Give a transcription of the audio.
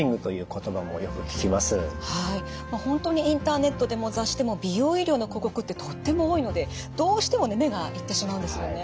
はい本当にインターネットでも雑誌でも美容医療の広告ってとっても多いのでどうしても目が行ってしまうんですよね。